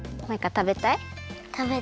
たべたい？